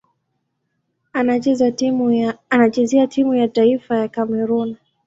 Anachezea timu ya taifa ya Kamerun.